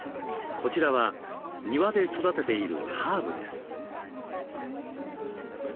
こちらは庭で育てているハーブです。